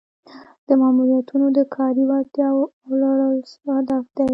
د مامورینو د کاري وړتیاوو لوړول هدف دی.